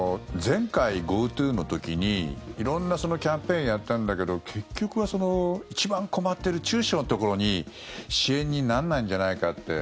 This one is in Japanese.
前回、ＧｏＴｏの時に色んなキャンペーンやったんだけど結局は一番困っている中小のところに支援にならないんじゃないかって。